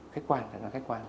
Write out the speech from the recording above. khách quan là khách quan